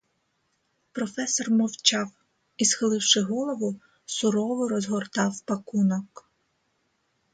Професор мовчав і, схиливши голову, суворо розгортав пакунок.